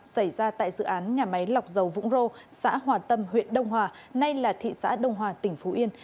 xảy ra tại dự án nhà máy lọc dầu vũng rô xã hòa tâm huyện đông hòa nay là thị xã đông hòa tỉnh phú yên